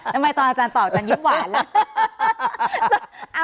ทำไมตอนอาจารย์ตอบอาจารยิ้มหวานล่ะ